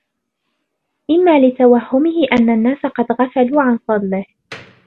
إمَّا لِتَوَهُّمِهِ أَنَّ النَّاسَ قَدْ غَفَلُوا عَنْ فَضْلِهِ